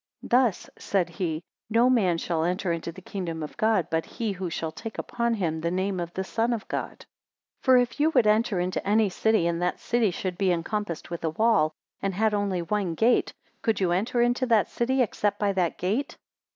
Thus, said he, no man shall enter into the kingdom of God, but he who shall take upon him the name of the Son of God. 114 For if you would enter into any city, and that city should he encompassed with a wall, and had only one gate, could you enter into that city except by that gate?